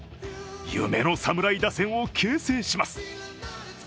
夢の侍打線を形成します。